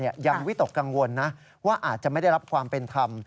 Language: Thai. วิตกกังวลนะว่าอาจจะไม่ได้รับความเป็นธรรม